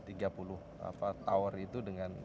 tiga puluh tower itu dengan